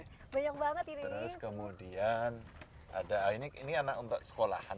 terus kemudian ini anak sekolah